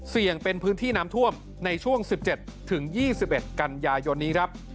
เสี่ยงเป็นพื้นที่น้ำท่วมในช่วง๑๗๒๑กันยายนนี้ครับ